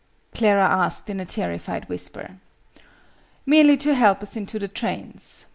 Clara asked in a terrified whisper. "Merely to help us into the trains."